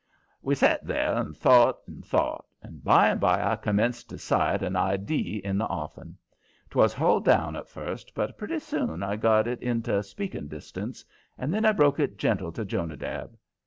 We set there and thought and thought, and by and by I commenced to sight an idee in the offing. 'Twas hull down at first, but pretty soon I got it into speaking distance, and then I broke it gentle to Jonadab.